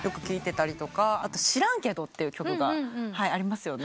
あと『しらんけど』って曲がありますよね？